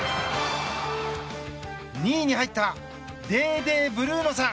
２位に入ったデーデー・ブルーノさん